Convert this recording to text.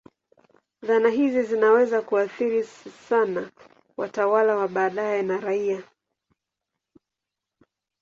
Dhana hizi zinaweza kuathiri sana watawala wa baadaye na raia.